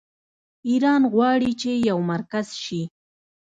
ایران غواړي چې یو مرکز شي.